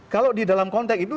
kalau di dalam konteks itu